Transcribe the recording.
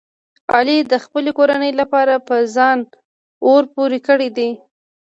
علي د خپلې کورنۍ لپاره په ځان اور پورې کړی دی.